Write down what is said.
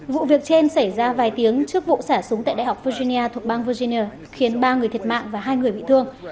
vụ việc trên xảy ra vài tiếng trước vụ xả súng tại đại học virginia thuộc bang virginia khiến ba người thiệt mạng và hai người bị thương